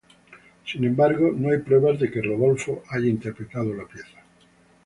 Sin embargo, no hay prueba de que Rodolfo haya interpretado la pieza.